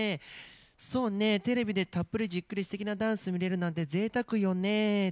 そうねテレビでたっぷりじっくりすてきなダンスを見れるなんてぜいたくよね」だって。